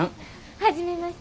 初めまして。